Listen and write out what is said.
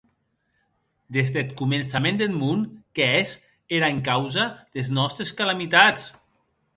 Des deth començament deth mon qu’ès era encausa des nòstes calamitats!